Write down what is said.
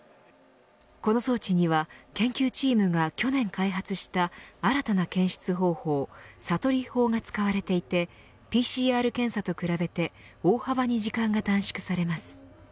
この装置には研究チームが去年開発した新たな検出方法ＳＡＴＯＲＩ法が使われていてＰＣＲ検査と比べて大幅に時間が短縮されます。